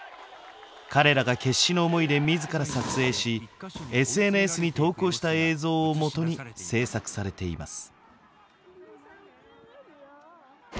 彼らが決死の思いで自ら撮影しＳＮＳに投稿した映像を基に制作されています。